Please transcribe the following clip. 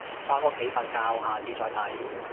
返屋企瞓覺，下次再睇